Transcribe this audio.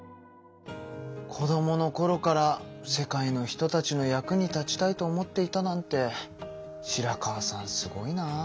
子どものころから世界の人たちの役に立ちたいと思っていたなんて白川さんすごいな。